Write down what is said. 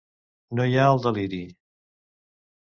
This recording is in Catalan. No hi ha el deliri.